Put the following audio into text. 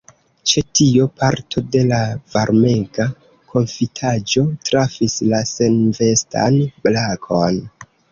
Ĉe tio parto de la varmega konfitaĵo trafis la senvestan brakon.